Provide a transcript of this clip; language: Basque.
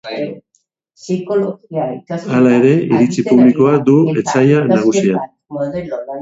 Hala ere, iritzi publikoa du etsai nagusia.